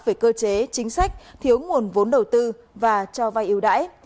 về cơ chế chính sách thiếu nguồn vốn đầu tư và cho vai yếu đải